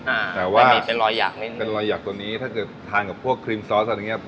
อ่าแต่ว่ามีเป็นรอยหยักนิดนึงเป็นรอยหยักตัวนี้ถ้าจะทานกับพวกครีมซอสอะไรอย่างเงี้